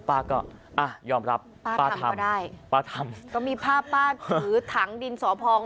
ป้าก็อ่ะยอมรับป้าทำก็มีภาพป้าถือถังดินสอพอง